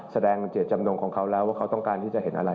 แสดงเจตจำนงของเขาแล้วว่าเขาต้องการที่จะเห็นอะไร